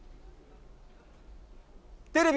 テレビ！